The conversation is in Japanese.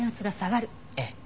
ええ。